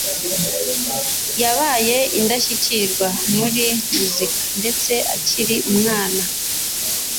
Yabaye indashyikirwa muri muzika ndetse akiri umwana.